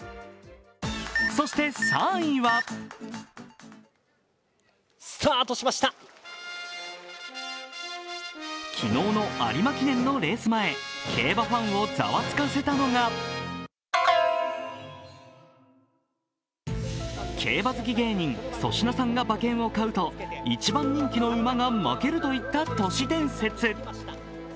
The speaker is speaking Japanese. そして３位は昨日の有馬記念のレース前競馬ファンをざわつかせたのが競馬好き芸人・粗品さんが馬券を買うと一番人気の馬が負けるといった都市伝説。